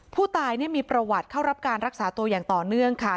ผู้ตายมีประวัติเข้ารับการรักษาตัวอย่างต่อเนื่องค่ะ